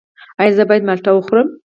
ایا زه باید مالټه وخورم؟